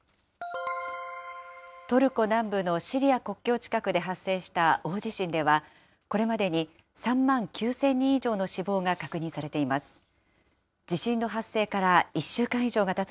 トルコ南部のシリア国境近くで発生した大地震では、これまでに３万９０００人以上の死亡が確認されています。